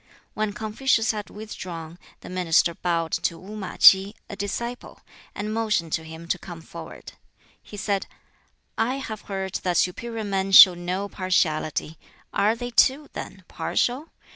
When Confucius had withdrawn, the minister bowed to Wu ma K'i, a disciple, and motioned to him to come forward. He said, "I have heard that superior men show no partiality; are they, too, then, partial?